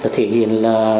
thể hiện là